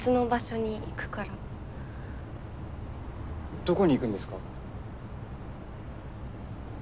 どこに行くんですか？